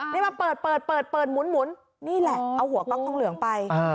นี่มาเปิดเปิดเปิดหมุนนี่แหละเอาหัวก๊อกทองเหลืองไป